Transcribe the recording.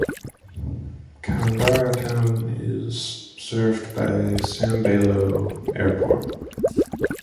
Koundara town is served by Sambailo Airport.